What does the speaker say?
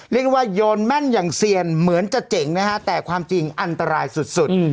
เรียกว่าโยนแม่นอย่างเซียนเหมือนจะเจ๋งนะฮะแต่ความจริงอันตรายสุด